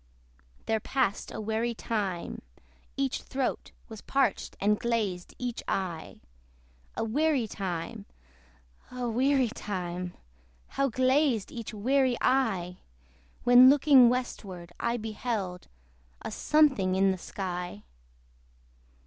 There passed a weary time. Each throat Was parched, and glazed each eye. A weary time! a weary time! How glazed each weary eye, When looking westward, I beheld A something in the sky.